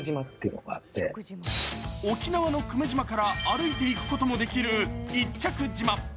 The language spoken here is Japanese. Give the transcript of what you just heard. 沖縄の久米島から歩いて行くこともできる一着島。